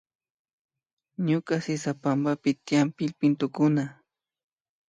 Ñuka sisapampapi tiyan pillpintukuna